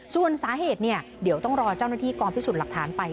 ส่วนสาเหตุเดี๋ยวต้องรอเจ้าหน้าที่กองพิสูจน์หลักฐานไป